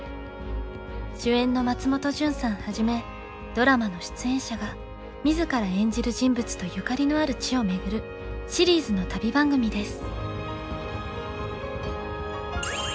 主演の松本潤さんはじめドラマの出演者が自ら演じる人物とゆかりのある地を巡るシリーズの旅番組です。